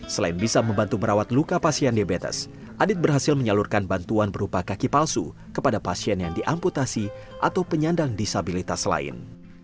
selain bisa membantu merawat luka pasien diabetes adit berhasil menyalurkan bantuan berupa kaki palsu kepada pasien yang diamputasi atau penyandang disabilitas lain